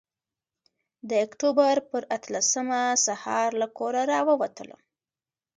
د اکتوبر پر اتلسمه سهار له کوره راووتلم.